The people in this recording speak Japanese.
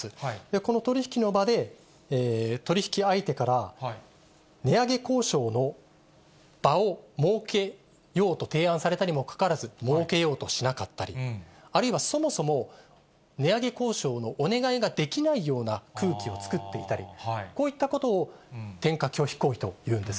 この取り引きの場で取り引き相手から、値上げ交渉の場を設けようと提案されたにもかかわらず、設けようとしなかったり、あるいはそもそも、値上げ交渉のお願いができないような空気を作っていたり、こういったことを転嫁拒否行為というんです。